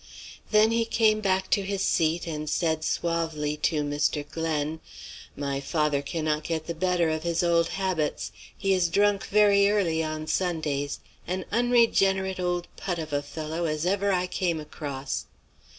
Then he came back to his seat and said suavely to Mr. Glen: 'My father cannot get the better of his old habits; he is drunk very early on Sundays an unregenerate old put of a fellow as ever I came across.'